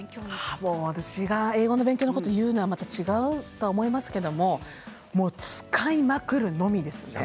私が英語の勉強のことを言うのは違うと思いますけれど使いまくるのみです。